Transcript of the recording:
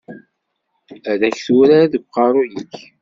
Ad k-turar deg uqerruy-ik.